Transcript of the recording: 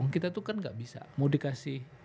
kita itu kan tidak bisa mau dikasih